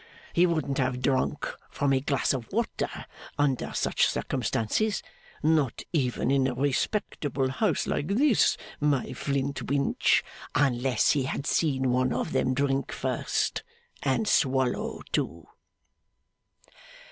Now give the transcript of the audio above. He wouldn't have drunk from a glass of water under such circumstances not even in a respectable house like this, my Flintwinch unless he had seen one of them drink first, and swallow too!